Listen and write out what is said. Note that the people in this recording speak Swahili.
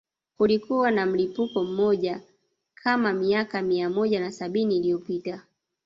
Kulikuwa na mlipuko mmoja kama miaka mia moja na sabini iliyopita